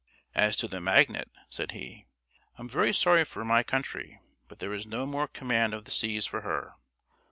"As to the magnet," said he, "I'm very sorry for my country, but there is no more command of the seas for her.